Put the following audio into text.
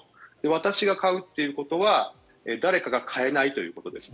私が買うということは誰かが買えないということです。